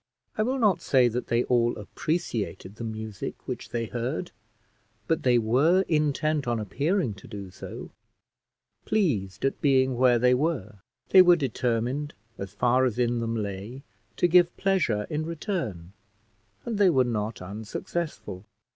I will not say that they all appreciated the music which they heard, but they were intent on appearing to do so; pleased at being where they were, they were determined, as far as in them lay, to give pleasure in return; and they were not unsuccessful.